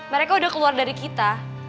mereka udah keluar dari kita